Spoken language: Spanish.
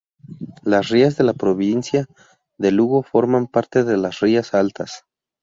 Las rías de la provincia de Lugo forman parte de las Rías Altas.